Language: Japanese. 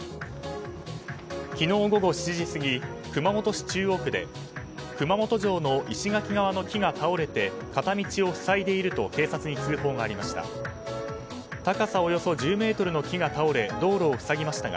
昨日午後７時過ぎ熊本市中央区で熊本城の石垣側の木が倒れて片道を塞いでいると警察に通報がありました。